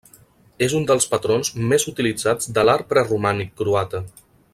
És un dels patrons més utilitzats de l'art preromànic croata.